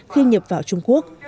khi nhập vào trung quốc